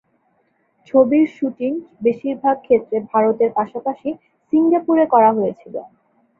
ছবিটির শুটিং বেশিরভাগ ক্ষেত্রে ভারতের পাশাপাশি সিঙ্গাপুরে করা হয়েছিল।